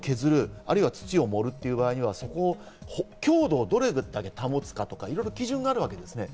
あるいは土を盛る場合は強度をどれだけ保つかいろいろ基準があるわけです。